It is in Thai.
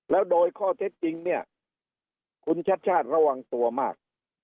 แล้วโดยข้อเท็จจริงเนี่ยคุณชัดชาติระวังตัวมาก